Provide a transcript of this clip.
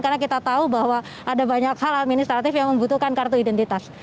karena kita tahu bahwa ada banyak hal administratif yang membutuhkan kartu identitas